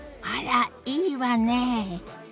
あらいいわね。